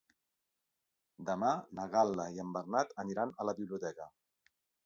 Demà na Gal·la i en Bernat aniran a la biblioteca.